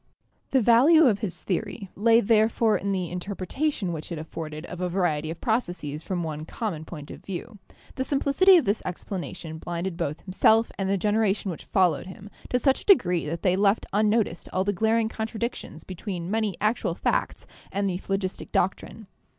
The value of his theory lay therefore in the interpreta tion which it afforded of a variety of processes from one common point of view. The simplicity of this explanation blinded both himself and the generation which followed him to such a degree that they left unnoticed all the glar ing contradictions between many actual facts and the phlogistic doctrine.